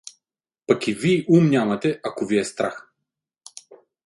Пък и вий ум нямате, ако ви е страх.